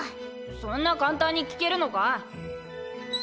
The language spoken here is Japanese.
そんな簡単に聞けるのか？